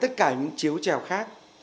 tất cả những chiếu trèo khác